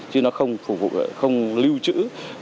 chứ nó không phục vụ không lưu trữ